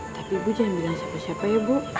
tapi ibu jangan bilang siapa siapa ya bu